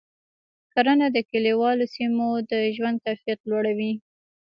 کرنه د کلیوالو سیمو د ژوند کیفیت لوړوي.